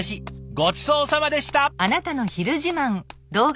ごちそうさまでした。